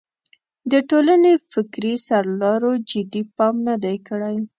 د ټولنې فکري سرلارو جدي پام نه دی کړی.